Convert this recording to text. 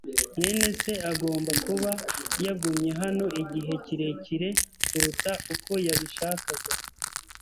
mwene se agomba kuba yagumye hano igihe kirekire kuruta uko yabishakaga.